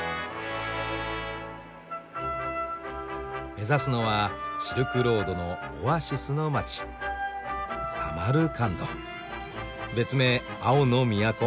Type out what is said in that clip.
目指すのはシルクロードのオアシスの街別名「青の都」。